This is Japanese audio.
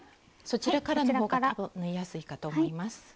そちらからの方が多分縫いやすいかと思います。